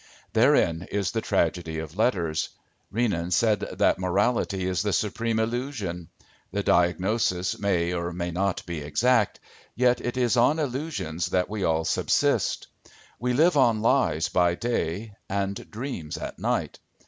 Therein is the tragedy of letters. Renan said that morality is the supreme illusion. The diagnosis may or may not be exact. Yet it is on illusions that we all subsist. We live on lies by day and dreams at night.